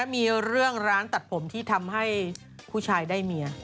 มีเรื่องร้านตัดผมที่ทำให้ผู้ชายได้เมีย